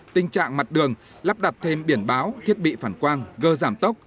tình trạng mặt đường lắp đặt thêm biển báo thiết bị phản quang gơ giảm tốc